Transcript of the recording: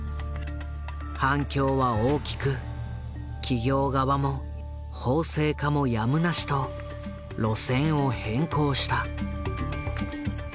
反響は大きく企業側も法制化もやむなしと路線を変更した。